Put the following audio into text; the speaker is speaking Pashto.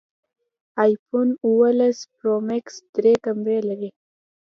ایفون اوولس پرو ماکس درې کمرې لري